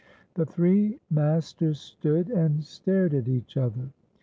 The three masters stood and stared at each other.